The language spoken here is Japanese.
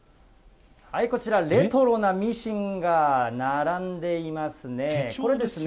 こちら、レトロなミシンが並手帳ですよね。